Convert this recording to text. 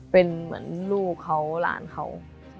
เป็นเหมือนลูกเขาหลานเขา